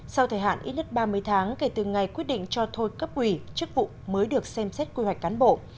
sau thời hạn ít nhất ba mươi tháng kể từ ngày quyết định cho thôi cấp ủy chức vụ mới được xem xét quy hoạch cán bộ